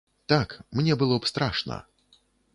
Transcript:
Так, мне было б страшна!